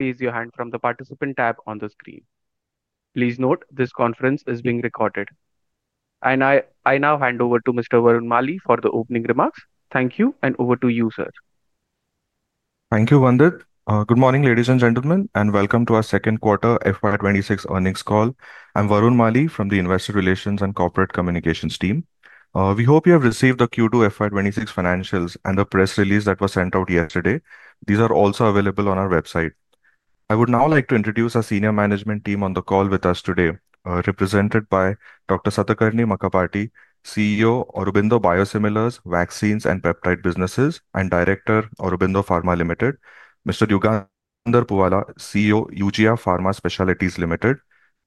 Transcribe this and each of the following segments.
Raise your hand from the participant tab on the screen. Please note this conference is being recorded. I now hand over to Mr. Varun Mali for the opening remarks. Thank you, and over to you, sir. Thank you, Vandit. Good morning, ladies and gentlemen, and welcome to our second quarter FY 2026 earnings call. I'm Varun Mali from the Investor Relations and Corporate Communications team. We hope you have received the Q2 FY 2026 financials and the press release that was sent out yesterday. These are also available on our website. I would now like to introduce our senior management team on the call with us today, represented by Dr. Satakarni Makkapati, CEO Aurobindo Biosimilars Vaccines and Peptide Businesses, and Director Aurobindo Pharma Limited; Mr. Yugandhar Puvvala, CEO Eugia Pharma Specialties Limited;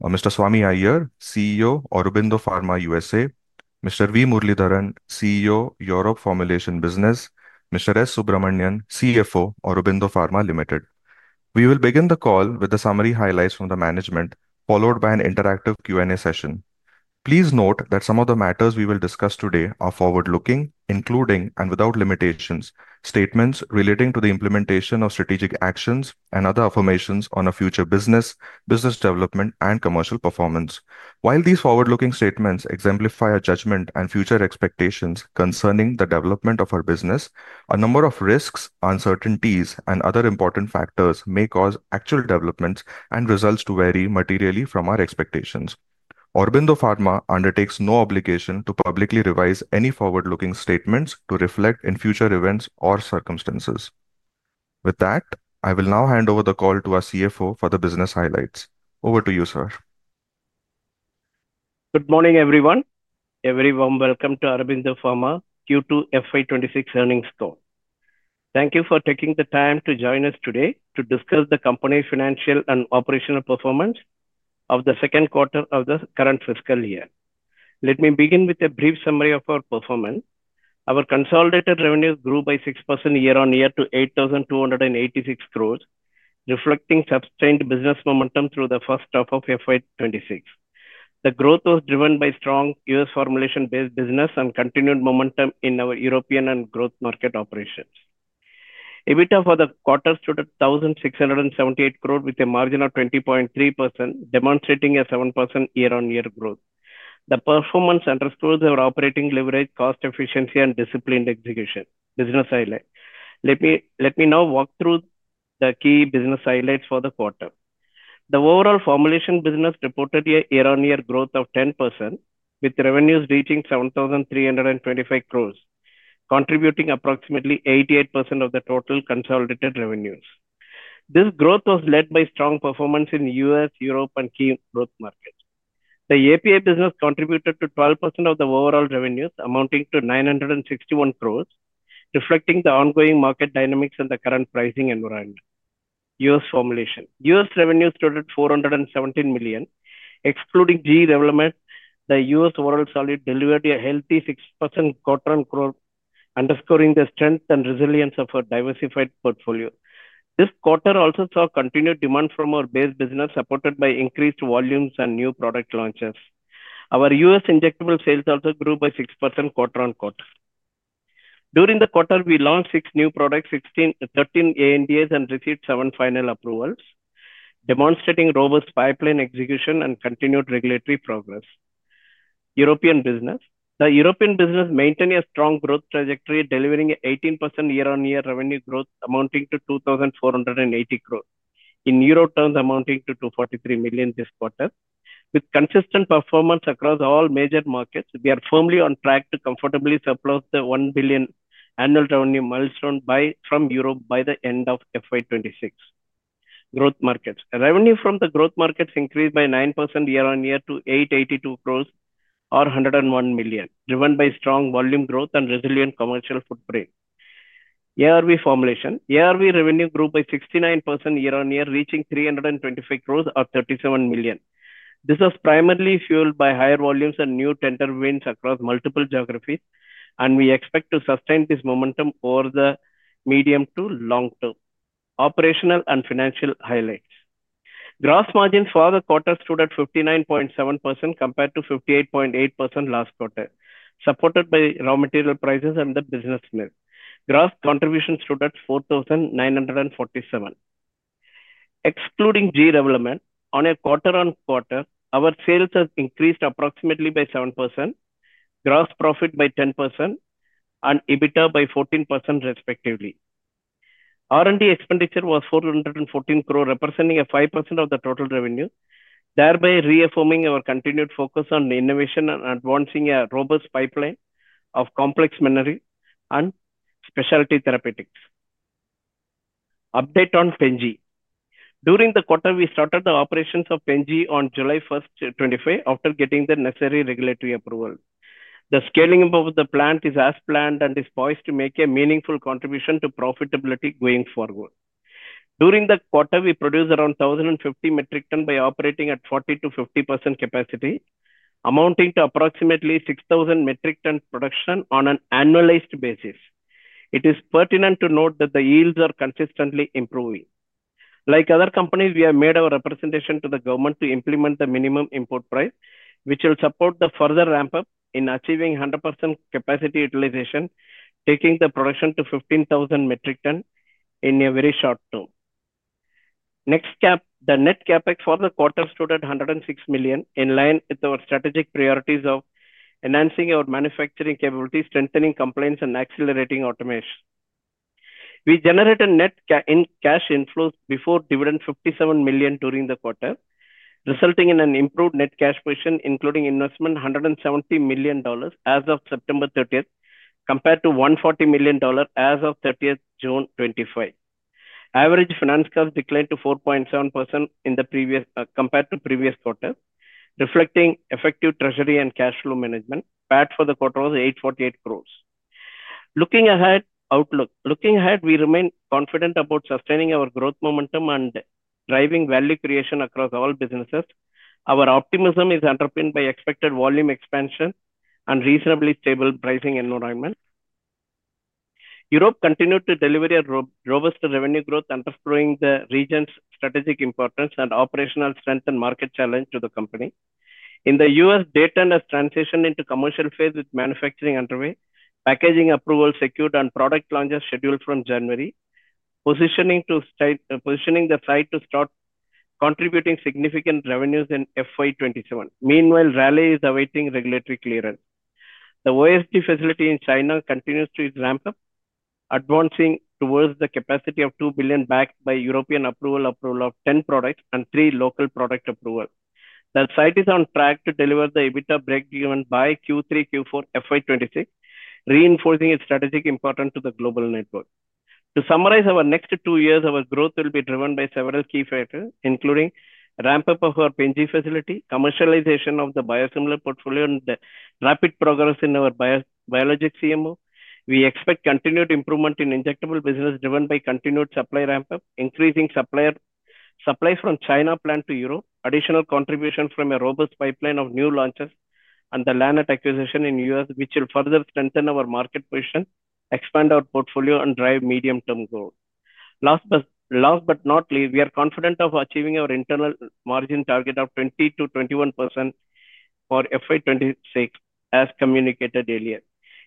Mr. Swami Iyer, CEO Aurobindo Pharma U.S.A; Mr. V. Muralidharan, CEO Europe Formulations Business; Mr. S. Subramanian, CFO Aurobindo Pharma Limited. We will begin the call with the summary highlights from the management, followed by an interactive Q&A session. Please note that some of the matters we will discuss today are forward-looking, including, and without limitations, statements relating to the implementation of strategic actions and other affirmations on a future business, business development, and commercial performance. While these forward-looking statements exemplify our judgment and future expectations concerning the development of our business, a number of risks, uncertainties, and other important factors may cause actual developments and results to vary materially from our expectations. Aurobindo Pharma undertakes no obligation to publicly revise any forward-looking statements to reflect in future events or circumstances. With that, I will now hand over the call to our CFO for the business highlights. Over to you, sir. Good morning, everyone. Welcome to Aurobindo Pharma Q2 FY 2026 earnings call. Thank you for taking the time to join us today to discuss the company's financial and operational performance of the second quarter of the current fiscal year. Let me begin with a brief summary of our performance. Our consolidated revenues grew by 6% year-on-year to 8,286 crore, reflecting sustained business momentum through the first half of FY 2026. The growth was driven by strong U.S. formulation-based business and continued momentum in our European and growth market operations. EBITDA for the quarter stood at 1,678 crore with a margin of 20.3%, demonstrating a 7% year-on-year growth. The performance underscores our operating leverage, cost efficiency, and disciplined execution. Business highlights. Let me now walk through the key business highlights for the quarter. The overall formulation business reported a year-on-year growth of 10%, with revenues reaching 7,325 crore, contributing approximately 88% of the total consolidated revenues. This growth was led by strong performance in the U.S., Europe, and key growth markets. The API business contributed to 12% of the overall revenues, amounting to 961 crore, reflecting the ongoing market dynamics and the current pricing environment. U.S. formulation. U.S. revenues stood at $417 million. Excluding GE development, the U.S. overall solid delivered a healthy 6% quarter-on-quarter, underscoring the strength and resilience of our diversified portfolio. This quarter also saw continued demand from our base business, supported by increased volumes and new product launches. Our U.S. injectable sales also grew by 6% quarter-on-quarter. During the quarter, we launched six new products, 13 ANDAs, and received seven final approvals, demonstrating robust pipeline execution and continued regulatory progress. European business. The European business maintained a strong growth trajectory, delivering an 18% year-on-year revenue growth, amounting to INR 2,480 crores in EUR terms, amounting to 243 million this quarter. With consistent performance across all major markets, we are firmly on track to comfortably surplus the 1 billion annual revenue milestone from Europe by the end of FY 2026. Growth markets. Revenue from the growth markets increased by 9% year-on-year to 882 crores, or 101 million, driven by strong volume growth and resilient commercial footprint. ARV formulation. ARV revenue grew by 69% year-on-year, reaching 325 crores, or 37 million. This was primarily fueled by higher volumes and new tender wins across multiple geographies, and we expect to sustain this momentum over the medium to long term. Operational and financial highlights. Gross margins for the quarter stood at 59.7% compared to 58.8% last quarter, supported by raw material prices and the business mix. Gross contribution stood at 4,947. Excluding GE development, on a quarter-on-quarter, our sales have increased approximately by 7%, gross profit by 10%, and EBITDA by 14%, respectively. R&D expenditure was 414 crores, representing 5% of the total revenue, thereby reaffirming our continued focus on innovation and advancing a robust pipeline of complex mineral and specialty therapeutics. Update on Pen-G. During the quarter, we started the operations of Pen-G on July 1st, 2025, after getting the necessary regulatory approval. The scaling of the plant is as planned and is poised to make a meaningful contribution to profitability going forward. During the quarter, we produced around 1,050 metric tons by operating at 40%-50% capacity, amounting to approximately 6,000 metric tons production on an annualized basis. It is pertinent to note that the yields are consistently improving. Like other companies, we have made our representation to the government to implement the minimum import price, which will support the further ramp-up in achieving 100% capacity utilization, taking the production to 15,000 metric tons in a very short term. Next, the net CapEx for the quarter stood at $106 million, in line with our strategic priorities of enhancing our manufacturing capabilities, strengthening compliance, and accelerating automation. We generated net cash inflows before dividend of $57 million during the quarter, resulting in an improved net cash position, including investment of $170 million as of September 30, compared to $140 million as of June 30, 2025. Average finance curve declined to 4.7% compared to the previous quarter, reflecting effective treasury and cash flow management. PAT for the quarter was 848 crore. Looking ahead. Outlook. Looking ahead, we remain confident about sustaining our growth momentum and driving value creation across all businesses. Our optimism is underpinned by expected volume expansion and reasonably stable pricing environment. Europe continued to deliver robust revenue growth, underscoring the region's strategic importance and operational strength and market challenge to the company. In the U.S., data has transitioned into commercial phase with manufacturing underway, packaging approvals secured, and product launches scheduled from January, positioning the site to start contributing significant revenues in FY 2027. Meanwhile, Raleigh is awaiting regulatory clearance. The OSG facility in China continues to ramp up, advancing towards the capacity of 2 billion backed by European approval of 10 products and 3 local product approvals. The site is on track to deliver the EBITDA break-even by Q3-Q4 FY 2026, reinforcing its strategic importance to the global network. To summarize our next two years, our growth will be driven by several key factors, including ramp-up of our Pen-G facility, commercialization of the biosimilar portfolio, and the rapid progress in our biologic CMO. We expect continued improvement in injectable business driven by continued supply ramp-up, increasing supply from China planned to Europe, additional contribution from a robust pipeline of new launches, and the land acquisition in the U.S., which will further strengthen our market position, expand our portfolio, and drive medium-term growth. Last but not least, we are confident of achieving our internal margin target of 20%-21% for FY 2026, as communicated earlier.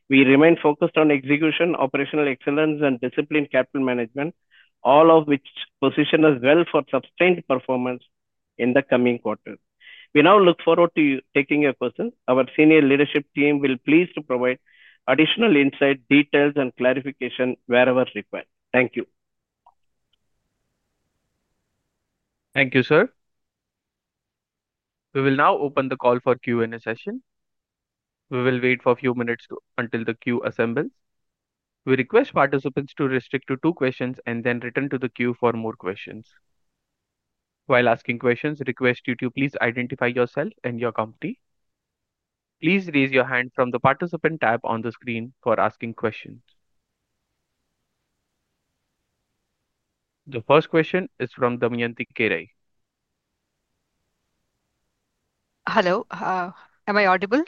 We remain focused on execution, operational excellence, and disciplined capital management, all of which position us well for sustained performance in the coming quarter. We now look forward to taking your questions. Our senior leadership team will be pleased to provide additional insight, details, and clarification wherever required. Thank you. Thank you, sir. We will now open the call for Q&A session. We will wait for a few minutes until the queue assembles. We request participants to restrict to two questions and then return to the queue for more questions. While asking questions, request you to please identify yourself and your company. Please raise your hand from the participant tab on the screen for asking questions. The first question is from Dayamanti Kerai. Hello. Am I audible?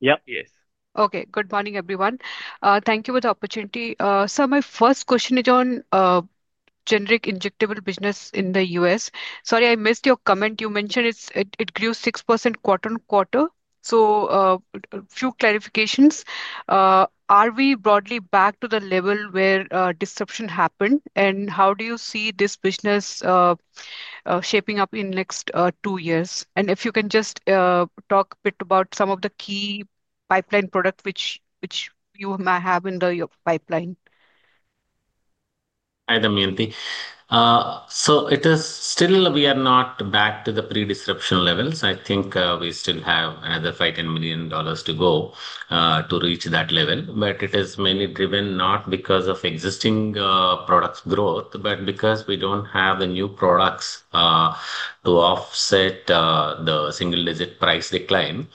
Yeah, yes. Okay. Good morning, everyone. Thank you for the opportunity. Sir, my first question is on generic injectable business in the U.S.. Sorry, I missed your comment. You mentioned it grew 6% quarter-on-quarter. A few clarifications. Are we broadly back to the level where disruption happened? How do you see this business shaping up in the next two years? If you can just talk a bit about some of the key pipeline products which you might have in your pipeline. Hi, Dayamanti. It is still we are not back to the pre-disruption levels. I think we still have another $5 million-$10 million to go to reach that level. It is mainly driven not because of existing product growth, but because we do not have the new products to offset the single-digit price decline.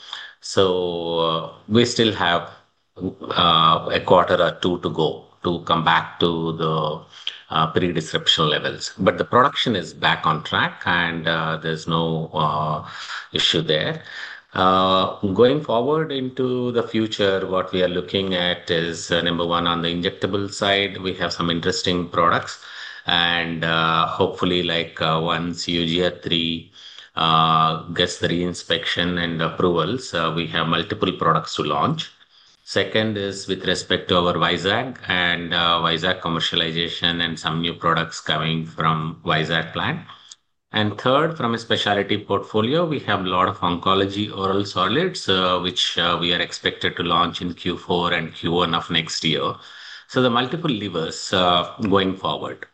We still have a quarter or two to go to come back to the pre-disruption levels. The production is back on track, and there is no issue there. Going forward into the future, what we are looking at is number one on the injectable side. We have some interesting products. Hopefully, once UGF3 gets the reinspection and approvals, we have multiple products to launch. Second is with respect to our Vizag and Vizag commercialization and some new products coming from Vizag plant. From a specialty portfolio, we have a lot of oncology oral solids, which we are expected to launch in Q4 and Q1 of next year. The multiple levers going forward.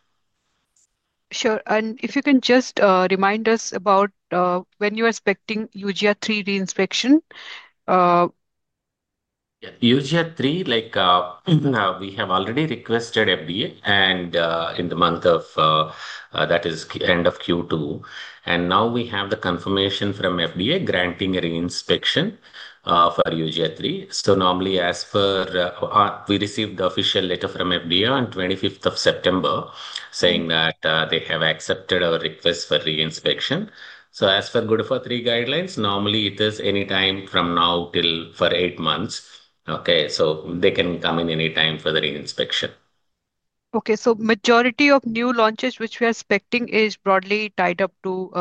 Sure. If you can just remind us about when you are expecting UGF3 reinspection? Yeah. UGF3, like. We have already requested FDA and in the month of. That is end of Q2. Now we have the confirmation from FDA granting a reinspection for UGF3. Normally, as per. We received the official letter from FDA on 25th of September. Saying that they have accepted our request for reinspection. As per GDUFA III guidelines, normally it is anytime from now till for eight months. Okay. They can come in anytime for the reinspection. Okay. So majority of new launches which we are expecting is broadly tied up to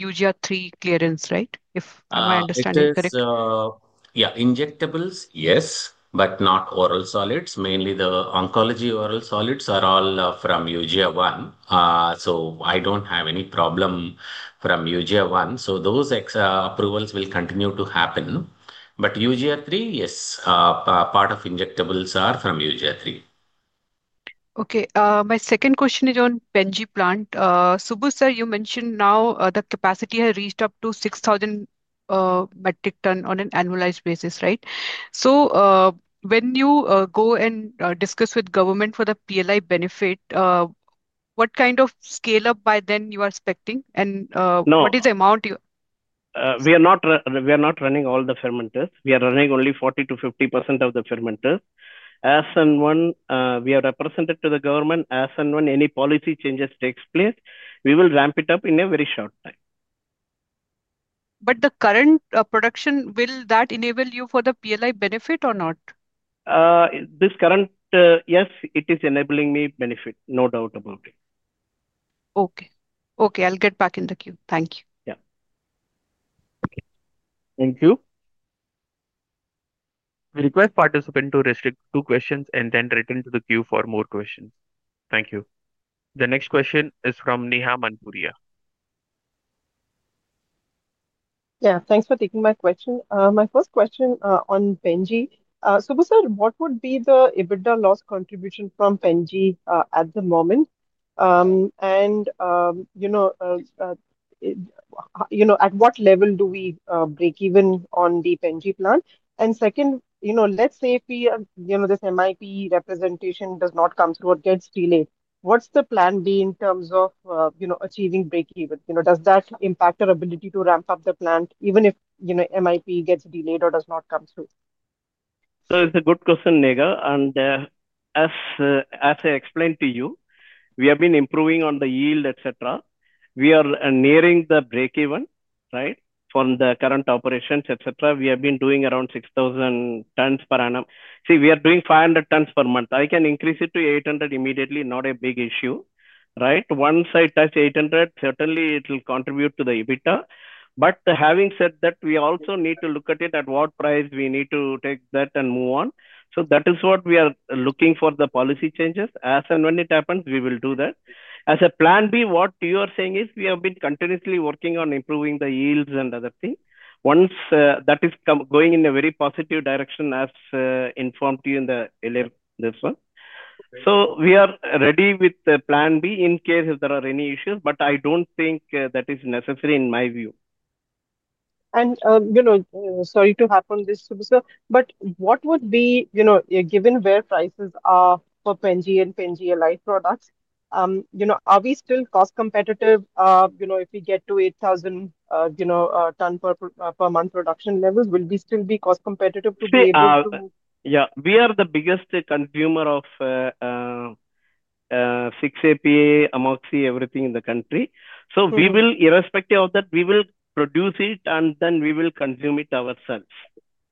UGF3 clearance, right? If my understanding is correct. Yeah. Injectables, yes, but not oral solids. Mainly the oncology oral solids are all from UGF1. I do not have any problem from UGF1. Those approvals will continue to happen. UGF3, yes, part of injectables are from UGF3. Okay. My second question is on Pen-G plant. Swami sir, you mentioned now the capacity has reached up to 6,000 metric tons on an annualized basis, right? When you go and discuss with government for the PLI benefit, what kind of scale-up by then you are expecting? And what is the amount? We are not running all the fermenters. We are running only 40%-50% of the fermenters. As and when we are represented to the government, as and when any policy changes take place, we will ramp it up in a very short time. The current production, will that enable you for the PLI benefit or not? This current, yes, it is enabling me benefit. No doubt about it. Okay. Okay. I'll get back in the queue. Thank you. Yeah. Thank you. We request participants to restrict to two questions and then return to the queue for more questions. Thank you. The next question is from Neha Manpuria. Yeah. Thanks for taking my question. My first question on Pen-G. Swami sir, what would be the EBITDA loss contribution from Pen-G at the moment? At what level do we break even on the Pen-G plant? Second, let's say if this MIP representation does not come through or gets delayed, what's the plan B in terms of achieving break even? Does that impact our ability to ramp up the plant even if MIP gets delayed or does not come through? It's a good question, Neha. As I explained to you, we have been improving on the yield, etc. We are nearing the break even, right? From the current operations, etc., we have been doing around 6,000 tons per annum. We are doing 500 tons per month. I can increase it to 800 immediately, not a big issue, right? Once I touch 800, certainly it will contribute to the EBITDA. Having said that, we also need to look at it at what price we need to take that and move on. That is what we are looking for, the policy changes. As and when it happens, we will do that. As a plan B, what you are saying is we have been continuously working on improving the yields and other things. That is going in a very positive direction, as informed to you in the earlier this one. We are ready with the plan B in case if there are any issues, but I do not think that is necessary in my view. Sorry to harp on this, Swami sir, but what would be, given where prices are for Pen-G and Pen-G Allied products, are we still cost competitive? If we get to 8,000 tons per month production levels, will we still be cost competitive to be able to? Yeah. We are the biggest consumer of 6-APA, amoxi, everything in the country. Irrespective of that, we will produce it, and then we will consume it ourselves,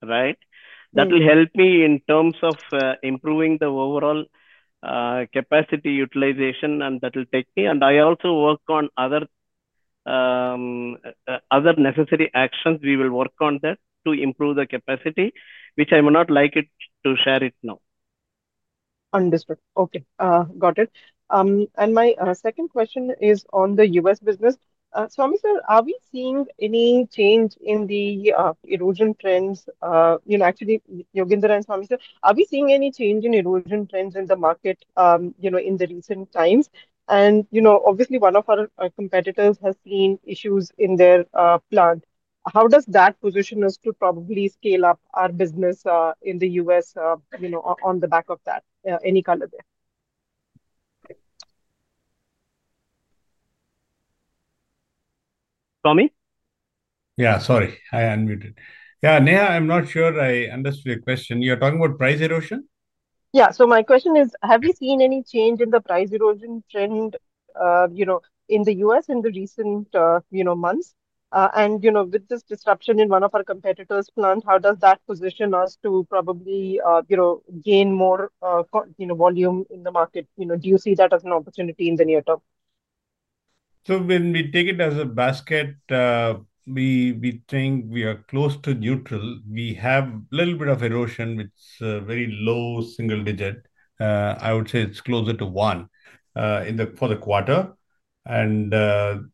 right? That will help me in terms of improving the overall capacity utilization, and that will take me. I also work on other necessary actions. We will work on that to improve the capacity, which I will not like to share it now. Understood. Okay. Got it. My second question is on the U.S. business. Swami sir, are we seeing any change in the erosion trends? Actually, Yugandhar and Swami sir, are we seeing any change in erosion trends in the market in the recent times? Obviously, one of our competitors has seen issues in their plant. How does that position us to probably scale up our business in the U.S. on the back of that? Any color there? Swami? Yeah. Sorry. I unmuted. Yeah. Neha, I'm not sure I understood your question. You're talking about price erosion? Yeah. My question is, have you seen any change in the price erosion trend in the U.S. in the recent months? With this disruption in one of our competitors' plants, how does that position us to probably gain more volume in the market? Do you see that as an opportunity in the near term? When we take it as a basket, we think we are close to neutral. We have a little bit of erosion, which is very low, single-digit. I would say it is closer to one for the quarter.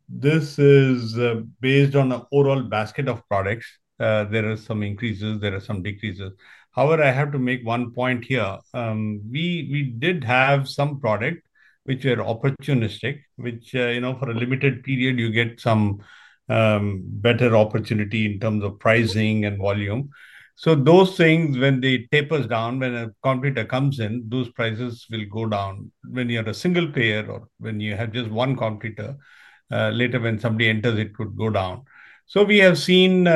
This is based on an overall basket of products. There are some increases, there are some decreases. However, I have to make one point here. We did have some products which were opportunistic, which for a limited period, you get some better opportunity in terms of pricing and volume. Those things, when they taper down, when a competitor comes in, those prices will go down. When you have a single player or when you have just one competitor, later when somebody enters, it could go down. We have seen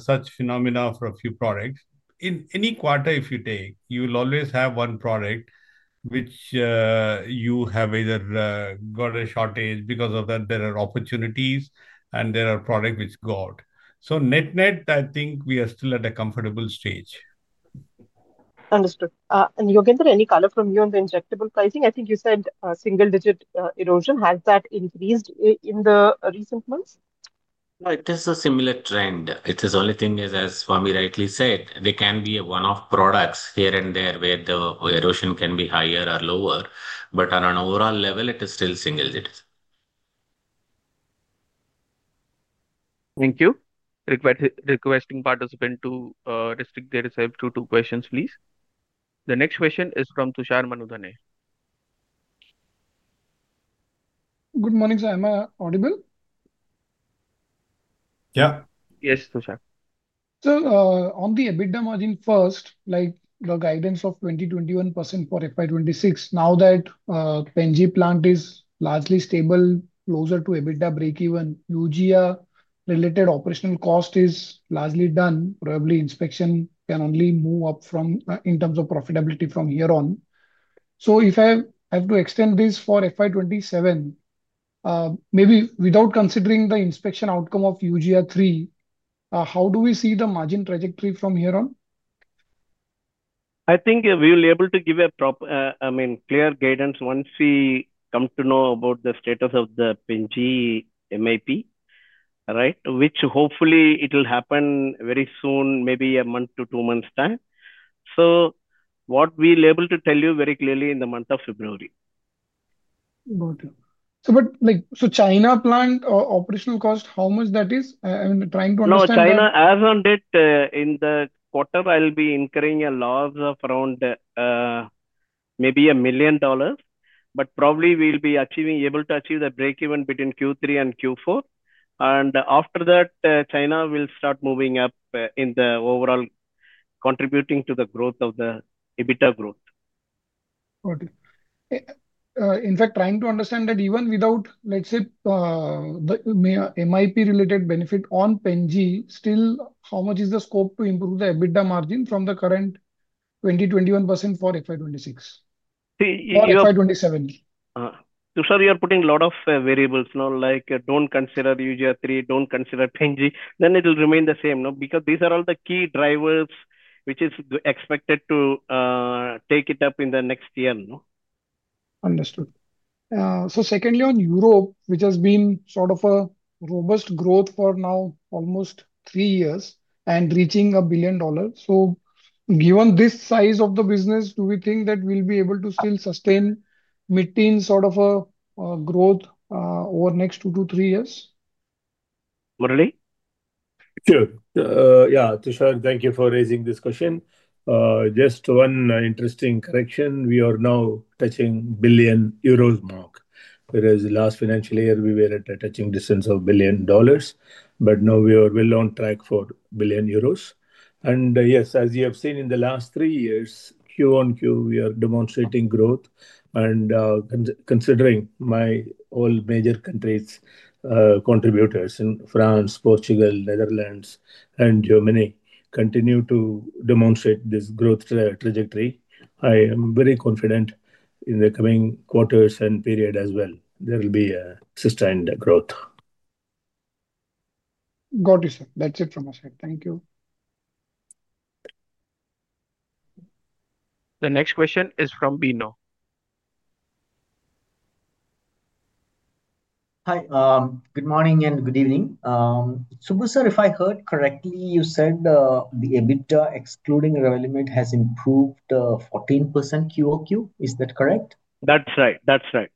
such phenomena for a few products. In any quarter, if you take, you will always have one product which. You have either got a shortage because of that there are opportunities and there are products which go out. Net-net, I think we are still at a comfortable stage. Understood. And Yugandhar, any color from you on the injectable pricing? I think you said single-digit erosion. Has that increased in the recent months? No, it is a similar trend. The only thing is, as Swami rightly said, there can be one-off products here and there where the erosion can be higher or lower. On an overall level, it is still single digit. Thank you. Requesting participants to restrict themselves to two questions, please. The next question is from Tushar Manudhane. Good morning, sir. Am I audible? Yeah. Yes, Tushar. Sir, on the EBITDA margin first, like the guidance of 20%-21% for FY 2026, now that Pen-G plant is largely stable, closer to EBITDA break even, Eugia-related operational cost is largely done, probably inspection can only move up in terms of profitability from here on. If I have to extend this for FY 2027, maybe without considering the inspection outcome of UGF3, how do we see the margin trajectory from here on? I think we will be able to give a, I mean, clear guidance once we come to know about the status of the Pen-G MIP, right? Which hopefully it will happen very soon, maybe a month to two months' time. We will be able to tell you very clearly in the month of February. Got it. China plant operational cost, how much that is? I mean, trying to understand. No, China, as on it, in the quarter, I'll be incurring a loss of around, maybe $1 million. Probably we'll be able to achieve the break even between Q3 and Q4. After that, China will start moving up in the overall, contributing to the growth of the EBITDA growth. Got it. In fact, trying to understand that even without, let's say. The MIP-related benefit on Pen-G, still, how much is the scope to improve the EBITDA margin from the current 20%-21% for FY 2026? Or FY 2027? Tushar, you are putting a lot of variables. Like, do not consider UGF3, do not consider Pen-G. Then it will remain the same. Because these are all the key drivers which are expected to take it up in the next year. Understood. Secondly, on Europe, which has been sort of a robust growth for now almost three years and reaching $1 billion. Given this size of the business, do we think that we'll be able to still sustain mid-teen sort of a growth over the next two to three years? Murali? Sure. Yeah. Tushar, thank you for raising this question. Just one interesting correction. We are now touching the 1 billion euros mark. Whereas last financial year, we were at a touching distance of $1 billion. We are well on track for 1 billion euros. Yes, as you have seen in the last three years, Q1, Q2, we are demonstrating growth. Considering my all major countries. Contributors in France, Portugal, Netherlands, and Germany continue to demonstrate this growth trajectory, I am very confident in the coming quarters and period as well. There will be a sustained growth. Got it, sir. That's it from my side. Thank you. The next question is from Bino. Hi. Good morning and good evening. Swami sir, if I heard correctly, you said the EBITDA excluding revenue has improved 14% QoQ. Is that correct? That's right. That's right.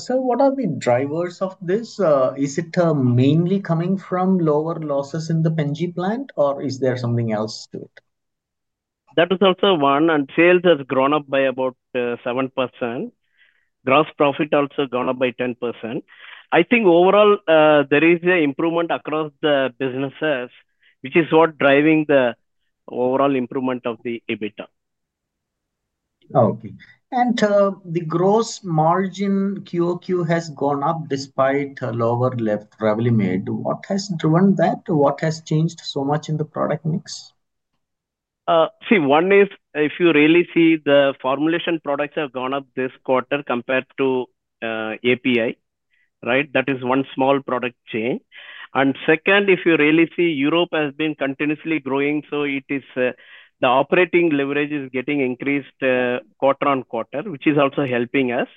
Sir, what are the drivers of this? Is it mainly coming from lower losses in the Pen-G plant, or is there something else to it? That is also one. Sales has grown up by about 7%. Gross profit also gone up by 10%. I think overall, there is an improvement across the businesses, which is what is driving the overall improvement of the EBITDA. Okay. The gross margin QoQ has gone up despite a lower level revenue made. What has driven that? What has changed so much in the product mix? See, one is, if you really see the formulation products have gone up this quarter compared to API, right? That is one small product change. Second, if you really see, Europe has been continuously growing. The operating leverage is getting increased quarter on quarter, which is also helping us.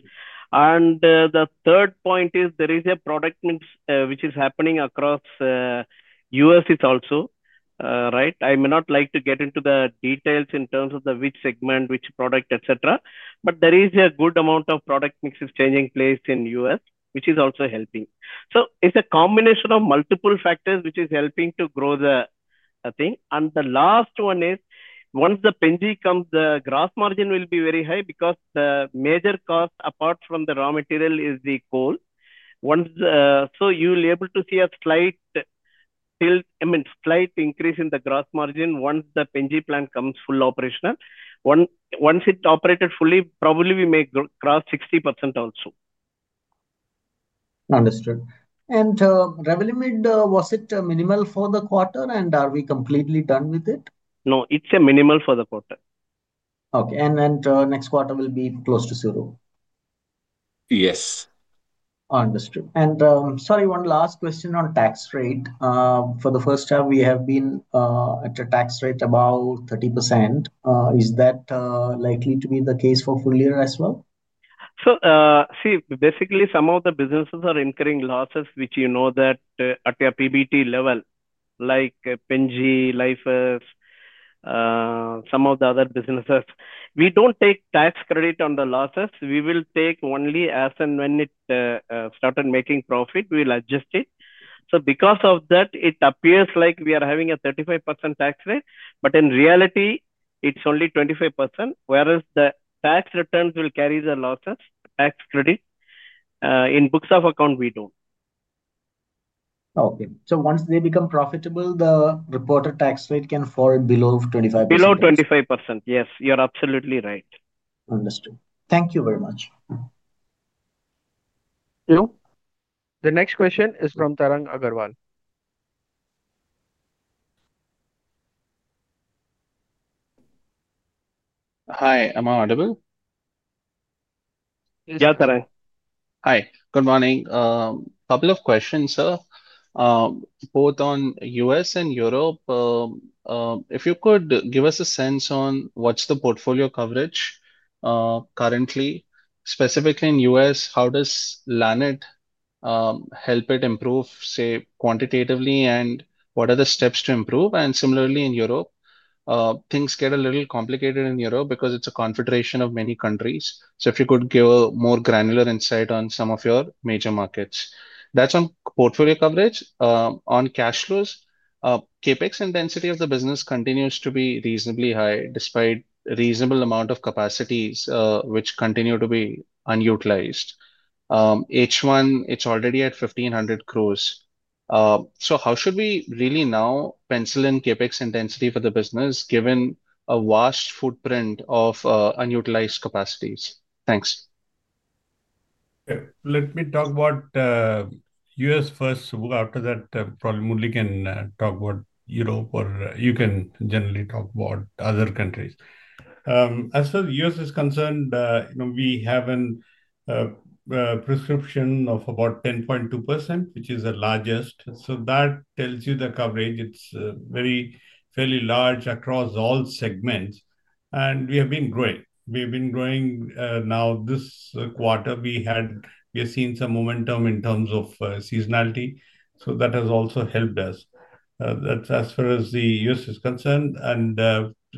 The third point is there is a product mix which is happening across. The U.S. also, right? I may not like to get into the details in terms of which segment, which product, etc. There is a good amount of product mix changing place in the U.S., which is also helping. It's a combination of multiple factors which are helping to grow the thing. The last one is, once the Pen-G comes, the gross margin will be very high because the major cost, apart from the raw material, is the coal. You'll be able to see a slight, I mean, slight increase in the gross margin once the Pen-G plant comes fully operational. Once it's operated fully, probably we may cross 60% also. Understood. Revenue made, was it minimal for the quarter, and are we completely done with it? No, it's minimal for the quarter. Okay. Next quarter will be close to zero? Yes. Understood. Sorry, one last question on tax rate. For the first half, we have been at a tax rate above 30%. Is that likely to be the case for full year as well? See, basically, some of the businesses are incurring losses, which you know that at a PBT level, like Pen-G, Lyfius. Some of the other businesses. We do not take tax credit on the losses. We will take only as and when it started making profit, we will adjust it. Because of that, it appears like we are having a 35% tax rate, but in reality, it is only 25%. Whereas the tax returns will carry the losses, tax credit. In books of account, we do not. Okay. So once they become profitable, the reported tax rate can fall below 25%? Below 25%. Yes. You're absolutely right. Understood. Thank you very much. Hello? The next question is from Tarang Agrawal. Hi. Am I audible? Yeah, Tarang. Hi. Good morning. A couple of questions, sir. Both on U.S. and Europe. If you could give us a sense on what's the portfolio coverage. Currently, specifically in the U.S., how does Lannett help it improve, say, quantitatively, and what are the steps to improve? Similarly, in Europe, things get a little complicated in Europe because it's a confederation of many countries. If you could give a more granular insight on some of your major markets. That's on portfolio coverage. On cash flows, CapEx intensity of the business continues to be reasonably high despite a reasonable amount of capacities which continue to be unutilized. H1, it's already at 1,500 crore. How should we really now pencil in CapEx intensity for the business given a vast footprint of unutilized capacities? Thanks. Let me talk about U.S. first. After that, probably we can talk about Europe, or you can generally talk about other countries. As far as the U.S. is concerned, we have a prescription of about 10.2%, which is the largest. That tells you the coverage. It's very fairly large across all segments. We have been growing. We have been growing now this quarter. We have seen some momentum in terms of seasonality. That has also helped us. That's as far as the U.S. is concerned.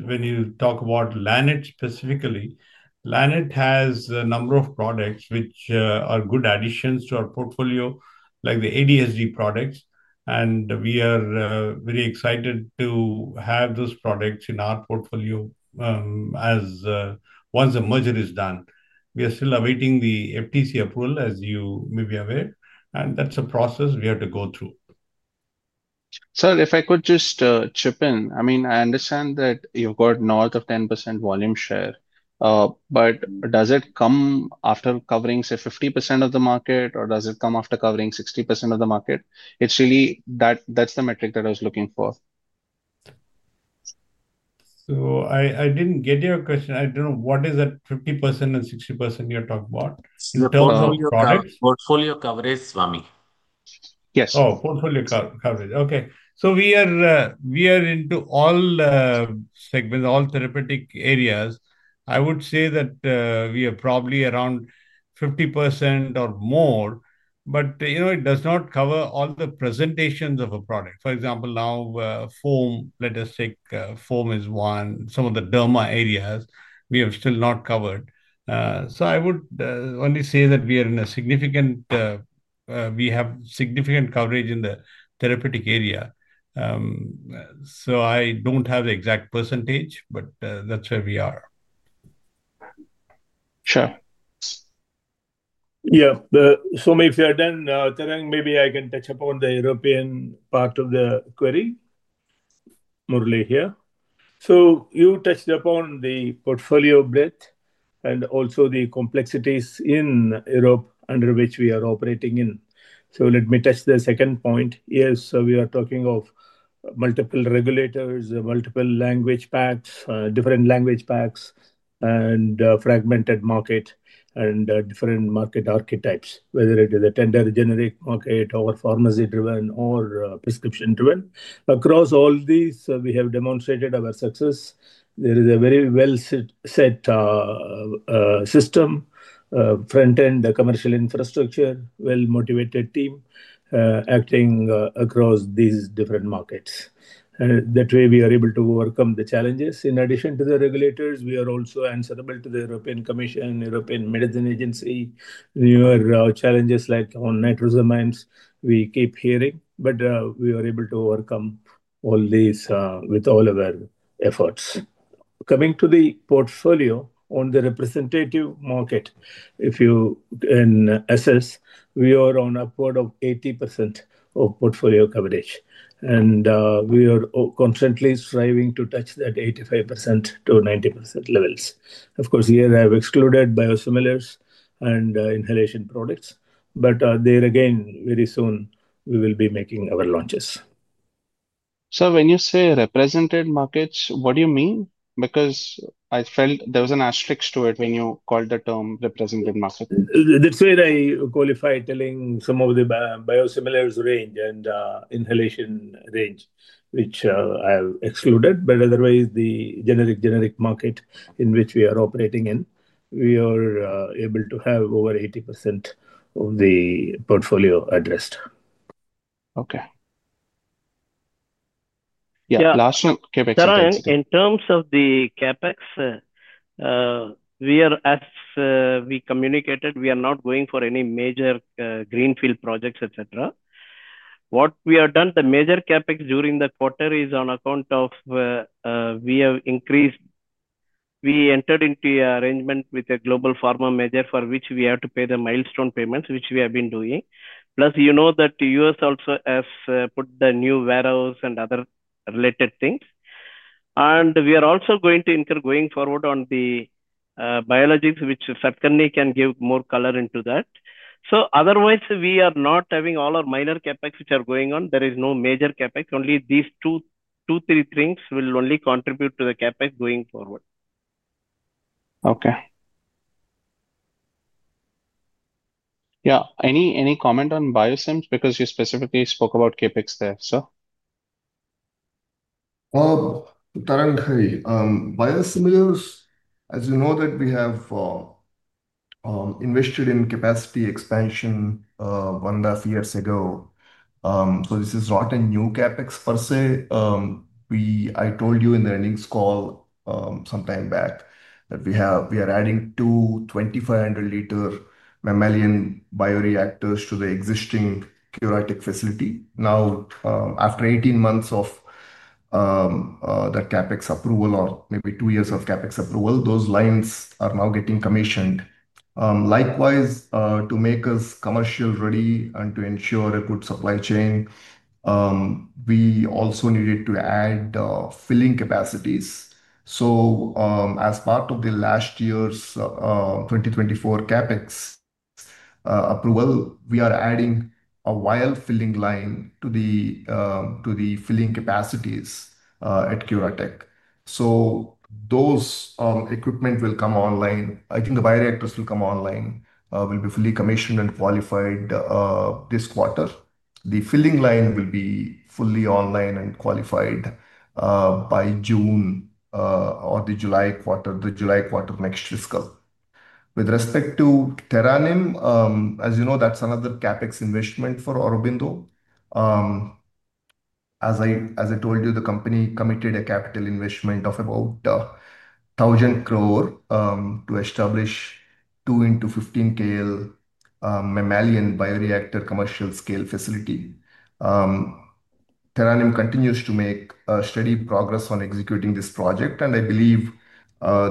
When you talk about Lannett specifically, Lannett has a number of products which are good additions to our portfolio, like the ADSG products. We are very excited to have those products in our portfolio once the merger is done. We are still awaiting the FTC approval, as you may be aware. That's a process we have to go through. Sir, if I could just chip in, I mean, I understand that you've got north of 10% volume share. But does it come after covering, say, 50% of the market, or does it come after covering 60% of the market? It's really that's the metric that I was looking for. I didn't get your question. I don't know what is that 50% and 60% you're talking about. Your portfolio coverage, Swami. Yes. Oh, portfolio coverage. Okay. So we are into all segments, all therapeutic areas. I would say that we are probably around 50% or more. But it does not cover all the presentations of a product. For example, now foam, let us take foam as one, some of the derma areas, we have still not covered. So I would only say that we have significant coverage in the therapeutic area. So I do not have the exact percentage, but that is where we are. Sure. Yeah. If you are done, Tarang, maybe I can touch upon the European part of the query. Murali here. You touched upon the portfolio breadth and also the complexities in Europe under which we are operating. Let me touch the second point. Yes. We are talking of multiple regulators, multiple language packs, different language packs, and fragmented market, and different market archetypes, whether it is a tender generic market or pharmacy-driven or prescription-driven. Across all these, we have demonstrated our success. There is a very well-set system, front-end commercial infrastructure, well-motivated team acting across these different markets. That way, we are able to overcome the challenges. In addition to the regulators, we are also answerable to the European Commission, European Medicines Agency. Newer challenges like on nitrosamines, we keep hearing. We are able to overcome all these with all of our efforts. Coming to the portfolio on the representative market, if you can assess, we are on upward of 80% of portfolio coverage. We are constantly striving to touch that 85%-90% levels. Of course, here I have excluded biosimilars and inhalation products. There again, very soon, we will be making our launches. When you say represented markets, what do you mean? Because I felt there was an asterisk to it when you called the term represented market. That's where I qualify telling some of the biosimilars range and inhalation range, which I have excluded. Otherwise, the generic market in which we are operating in, we are able to have over 80% of the portfolio addressed. Okay. Yeah. Last one, CapEx. Tarang, in terms of the CapEx. We are, as we communicated, we are not going for any major greenfield projects, etc. What we have done, the major CapEx during the quarter is on account of. We have increased. We entered into an arrangement with a global pharma major for which we have to pay the milestone payments, which we have been doing. Plus, you know that the U.S. also has put the new warehouse and other related things. We are also going to incur going forward on the biologics, which Satakarni can give more color into that. Otherwise, we are not having all our minor CapEx, which are going on. There is no major CapEx. Only these two, two, three things will only contribute to the CapEx going forward. Okay. Yeah. Any comment on biosimilars because you specifically spoke about CapEx there, sir? Tarang, hi. Biosimilars, as you know that we have invested in capacity expansion. One and a half years ago. This is not a new CapEx per se. I told you in the earnings call sometime back that we are adding two 2,500-liter mammalian bioreactors to the existing CuraTeQ facility. Now, after 18 months of that CapEx approval or maybe two years of CapEx approval, those lines are now getting commissioned. Likewise, to make us commercially ready and to ensure a good supply chain, we also needed to add filling capacities. As part of the last year's 2024 CapEx approval, we are adding a vial filling line to the filling capacities at CuraTeQ. Those equipment will come online. I think the bioreactors will come online, will be fully commissioned and qualified this quarter. The filling line will be fully online and qualified by June. For the July quarter, the July quarter next fiscal. With respect to TheraNym, as you know, that's another CapEx investment for Aurobindo. As I told you, the company committed a capital investment of about 1,000 crore to establish 2 into 15K mammalian bioreactor commercial scale facility. TheraNym continues to make steady progress on executing this project. I believe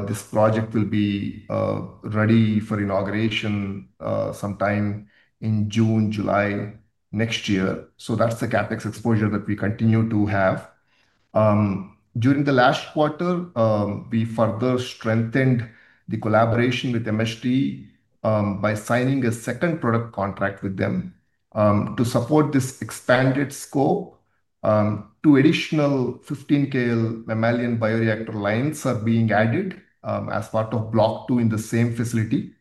this project will be ready for inauguration sometime in June, July next year. That's the CapEx exposure that we continue to have. During the last quarter, we further strengthened the collaboration with MST by signing a second product contract with them to support this expanded scope. Two additional 15K mammalian bioreactor lines are being added as part of block two in the same facility.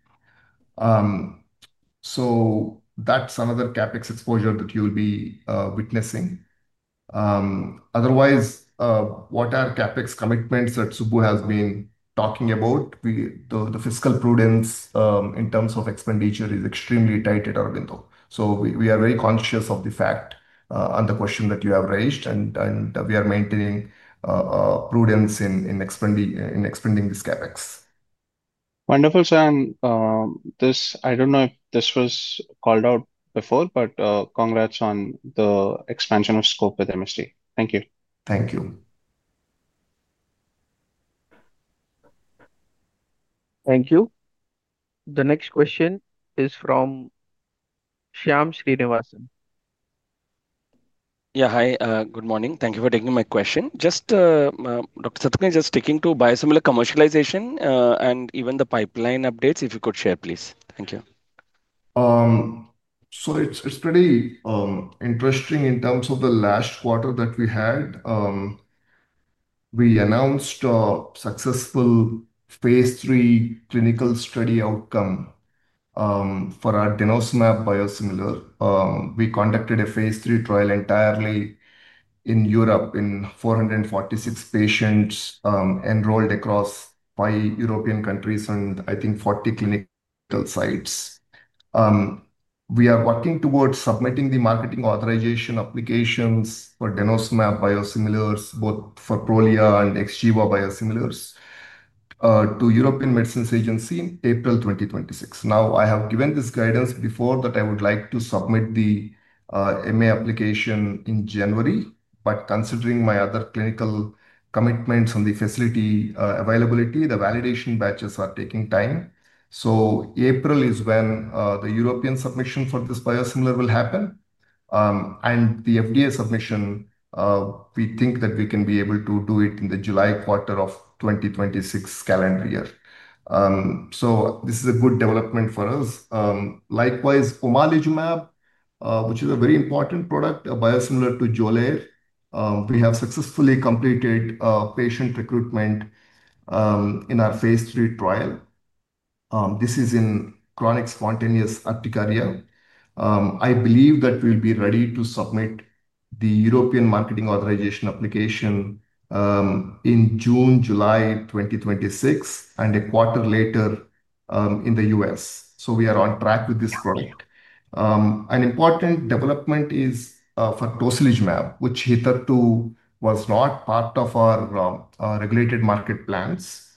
That's another CapEx exposure that you'll be witnessing. Otherwise, what are CapEx commitments that Swami has been talking about? The fiscal prudence in terms of expenditure is extremely tight at Aurobindo. We are very conscious of the fact on the question that you have raised. We are maintaining prudence in expanding this CapEx. Wonderful, San. I do not know if this was called out before, but congrats on the expansion of scope with MST. Thank you. Thank you. Thank you. The next question is from Shyam Srinivasan. Yeah. Hi. Good morning. Thank you for taking my question. Just. Dr. Satakarni, just sticking to biosimilar commercialization and even the pipeline updates, if you could share, please. Thank you. It's pretty interesting in terms of the last quarter that we had. We announced a successful phase three clinical study outcome for our denosumab biosimilar. We conducted a phase three trial entirely in Europe in 446 patients enrolled across five European countries and I think 40 clinical sites. We are working towards submitting the marketing authorization applications for denosumab biosimilars, both for Prolia and Xgeva biosimilars, to the European Medicines Agency in April 2026. I have given this guidance before that I would like to submit the MA application in January. Considering my other clinical commitments and the facility availability, the validation batches are taking time. April is when the European submission for this biosimilar will happen. The FDA submission, we think that we can be able to do it in the July quarter of 2026 calendar year. This is a good development for us. Likewise, Omalizumab, which is a very important product, a biosimilar to Xolair, we have successfully completed patient recruitment in our phase three trial. This is in chronic spontaneous urticaria. I believe that we'll be ready to submit the European marketing authorization application in June-July 2026, and a quarter later in the U.S. We are on track with this product. An important development is for tocilizumab, which hitherto was not part of our regulated market plans.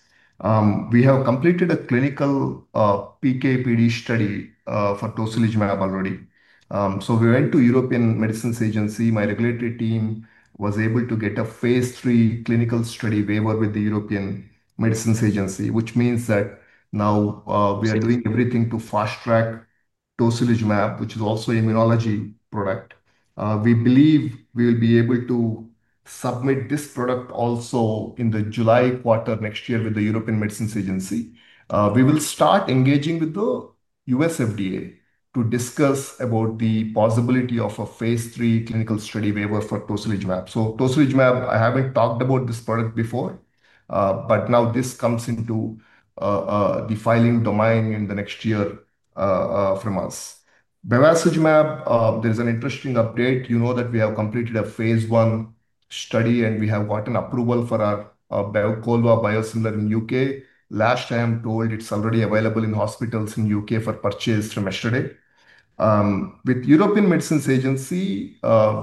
We have completed a clinical PK/PD study for tocilizumab already. We went to the European Medicines Agency. My regulatory team was able to get a phase three clinical study waiver with the European Medicines Agency, which means that now we are doing everything to fast track tocilizumab, which is also an immunology product. We believe we will be able to. Submit this product also in the July quarter next year with the European Medicines Agency. We will start engaging with the U.S. FDA to discuss about the possibility of a phase three clinical study waiver for tocilizumab. So tocilizumab, I haven't talked about this product before. But now this comes into the filing domain in the next year from us. bevacizumab, there's an interesting update. You know that we have completed a phase one study and we have gotten approval for our Bevqolva biosimilar in the U.K. Last time I'm told it's already available in hospitals in the U.K. for purchase from yesterday. With the European Medicines Agency,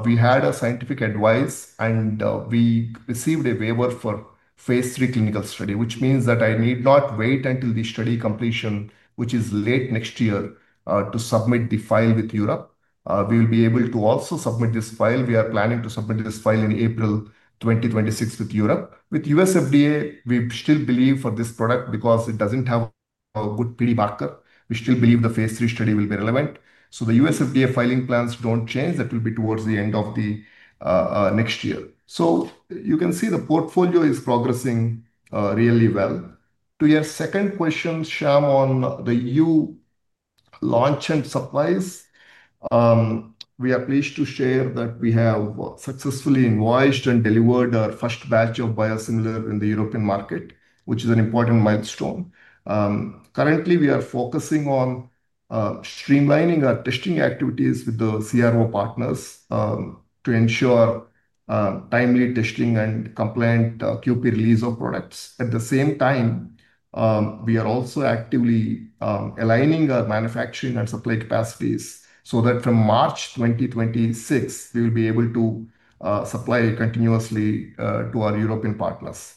we had scientific advice and we received a waiver for phase three clinical study, which means that I need not wait until the study completion, which is late next year, to submit the file with Europe. We will be able to also submit this file. We are planning to submit this file in April 2026 with Europe. With U.S. FDA, we still believe for this product because it doesn't have a good PD marker. We still believe the phase three study will be relevant. So the U.S. FDA filing plans don't change. That will be towards the end of the next year. You can see the portfolio is progressing really well. To your second question, Shyam, on the EU launch and supplies. We are pleased to share that we have successfully invoiced and delivered our first batch of biosimilar in the European market, which is an important milestone. Currently, we are focusing on streamlining our testing activities with the CRO partners to ensure timely testing and compliant QP release of products. At the same time, we are also actively aligning our manufacturing and supply capacities so that from March 2026, we will be able to supply continuously to our European partners.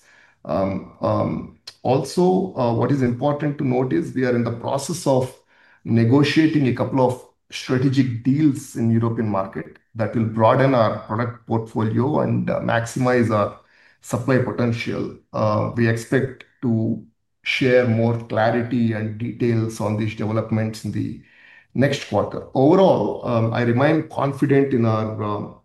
Also, what is important to note is we are in the process of negotiating a couple of strategic deals in the European market that will broaden our product portfolio and maximize our supply potential. We expect to share more clarity and details on these developments in the next quarter. Overall, I remain confident in our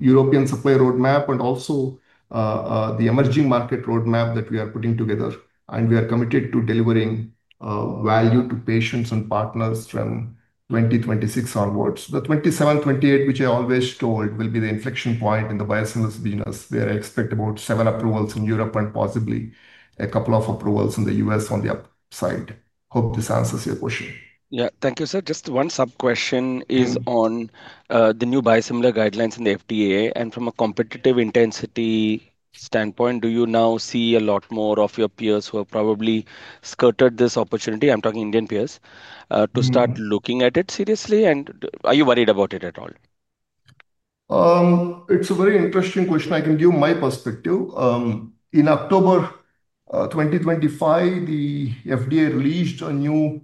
European supply roadmap and also the emerging market roadmap that we are putting together. We are committed to delivering value to patients and partners from 2026 onwards. The 2027, 2028, which I always told, will be the inflection point in the biosimilars business where I expect about seven approvals in Europe and possibly a couple of approvals in the U.S. on the upside. Hope this answers your question. Yeah. Thank you, sir. Just one sub-question is on the new biosimilar guidelines in the FDA. From a competitive intensity standpoint, do you now see a lot more of your peers who have probably skirted this opportunity? I'm talking Indian peers to start looking at it seriously. Are you worried about it at all? It's a very interesting question. I can give my perspective. In October 2025, the FDA released a new